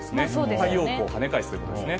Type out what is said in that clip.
太陽光を跳ね返すということですね。